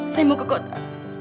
saya mau ke kota